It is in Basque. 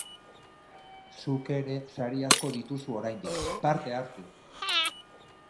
Zuk ere sari asko dituzu oraindik, parte hartu!